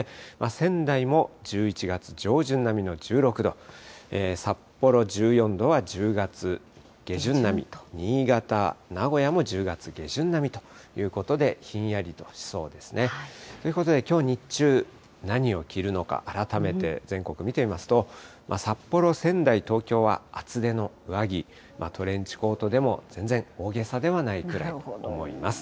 仙台も１１月上旬並みの１６度、札幌１４度は１０月下旬並み、新潟、名古屋も１０月下旬並みということで、ひんやりとしそうですね。ということできょう日中、何を着るのか、改めて全国、見てみますと、札幌、仙台、東京は厚手の上着、トレンチコートでも全然大げさではないくらいと思います。